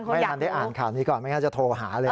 ไม่ทันได้อ่านข่าวนี้ก่อนไม่งั้นจะโทรหาเลย